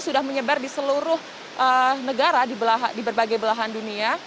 sudah menyebar di seluruh negara di berbagai belahan dunia